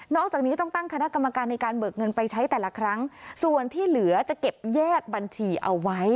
จากนี้ต้องตั้งคณะกรรมการในการเบิกเงินไปใช้แต่ละครั้งส่วนที่เหลือจะเก็บแยกบัญชีเอาไว้